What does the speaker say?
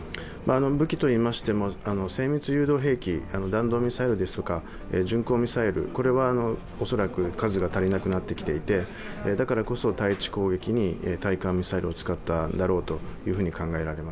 武器といいましても、精密誘導兵器弾道ミサイルですとか巡航ミサイルは恐らく数が足りなくなってきていて、だからこそ対地攻撃に対艦ミサイルを使ったんだろうと。